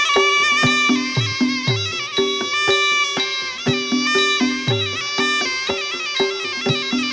โชว์ที่สุดท้าย